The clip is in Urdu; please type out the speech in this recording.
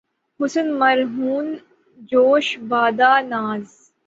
حسن مرہون جوش بادۂ ناز